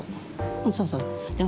うんそうそうそう。